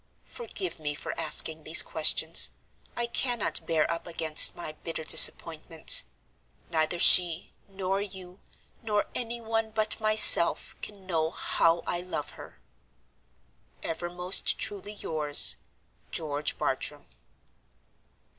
Forgive me for asking these questions. I cannot bear up against my bitter disappointment. Neither she, nor you, nor any one but myself, can know how I love her. "Ever most truly yours, "GEORGE BARTRAM.